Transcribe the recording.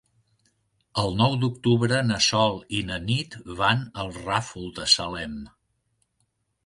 El nou d'octubre na Sol i na Nit van al Ràfol de Salem.